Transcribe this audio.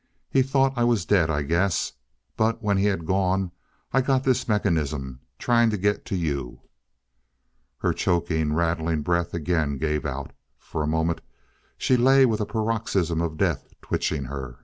He thought I was dead, I guess but when he had gone, I got this mechanism trying to get to you " Her choking, rattling breath again gave out. For a moment she lay with a paroxysm of death twitching her.